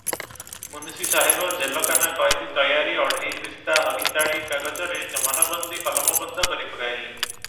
ମୁନସି ସାହେବ ଜେଲକାନା କଏଦୀ ତୟାରି ଅଢ଼େଇ ଦିସ୍ତା ହରିତାଳି କାଗଜରେ ଜମାନବନ୍ଦି କଲମବନ୍ଦ କରି ପକାଇଲେ ।